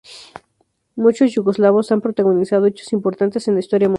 Muchos yugoslavos han protagonizado hechos importantes en la historia mundial.